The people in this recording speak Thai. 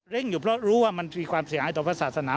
อยู่เพราะรู้ว่ามันมีความเสียหายต่อพระศาสนา